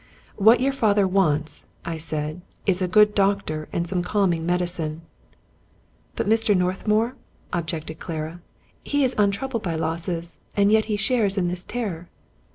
" What your father wants," I said, " is a good doctor and some calming medicine." "But Mr. Northmour?" objected Clara. "He is un troubled by losses, and yet he shares in this terror."